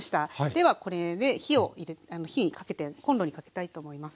ではこれで火にかけてコンロにかけたいと思います。